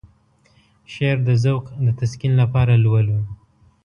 شعر د ذوق د تسکين لپاره لولو.